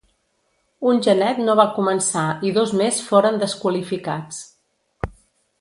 Un genet no va començar i dos més foren desqualificats.